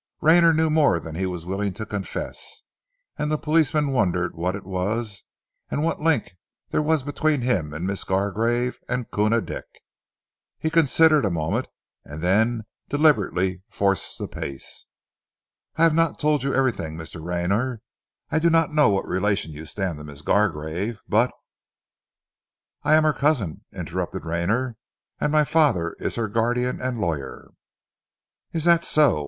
Rayner knew more than he was willing to confess, and the policeman wondered what it was, and what link there was between him and Miss Gargrave and Koona Dick. He considered a moment, and then deliberately forced the pace. "I have not told you everything, Mr. Rayner. I do not know what relation you stand to Miss Gargrave, but " "I am her cousin," interrupted Rayner, "and my father is her guardian and lawyer." "Is that so?"